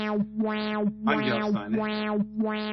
Hangi hastane?